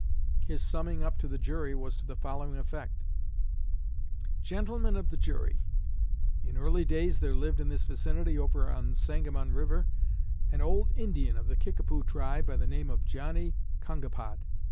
His summing up to the jury was to the following effect: "Gentlemen of the jury: In early days there lived in this vicinity, over on the Sangamon river, an old Indian of the Kickapoo tribe by the name of Johnnie Kongapod.